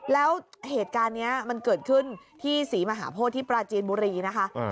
แล้วเหตุการณ์นี้มันเกิดขึ้นที่ศรีมหาโพธิที่ปราจีนบุรีนะคะ